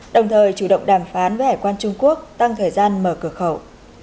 đồng thời chủ động đàm phán với hải quan trung quốc tăng thời gian mở cửa khẩu